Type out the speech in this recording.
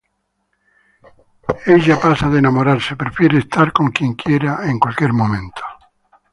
Ella pasa de enamorarse, prefiere estar con quien quiera en cualquier momento.